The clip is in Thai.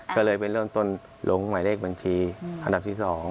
ก็เลยเป็นเรื่องต้นลงใหม่เลขบัญชีอันดับที่สอง